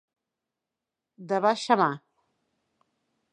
De baixa mà.